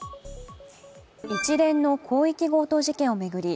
一連の広域強盗事件を巡り